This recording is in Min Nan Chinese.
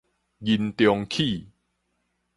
人中齒